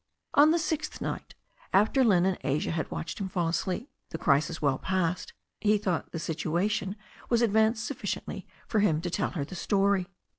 On the sixth night, after Lynne and Asia had watched him fall asleep, the crisis well passed, he thought the situa tion was advanced sufficiently for him to tell her the story.